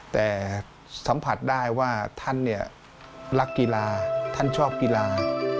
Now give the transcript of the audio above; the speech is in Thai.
แต่สัมผัสได้ว่าท่านเนี่ยรักกีฬาท่านชอบกีฬา